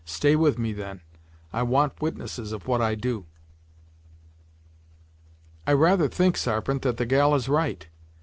Stay with me, then; I want witnesses of what I do." "I rather think, Sarpent, that the gal is right!